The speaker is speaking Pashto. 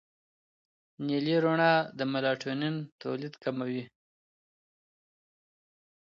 نیلي رڼا د میلاټونین تولید کموي.